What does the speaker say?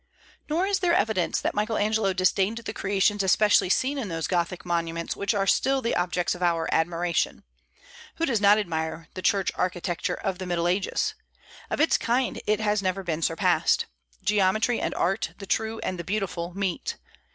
Nor is there evidence that Michael Angelo disdained the creations especially seen in those Gothic monuments which are still the objects of our admiration. Who does not admire the church architecture of the Middle Ages? Of its kind it has never been surpassed. Geometry and art the true and the beautiful meet.